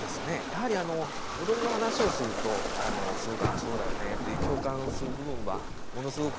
やはり踊りの話をするとすごく「ああそうだよね」って共感する部分はものすごくたくさんございまして。